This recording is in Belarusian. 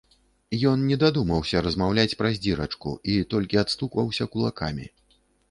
Ён не дадумаўся размаўляць праз дзірачку, і толькі адстукваўся кулакамі.